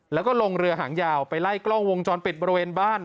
แล้วก็ลงเรือหางยาวไปไล่กล้องวงจรปิดบริเวณบ้าน